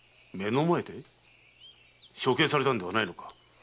処刑されたのではないのか？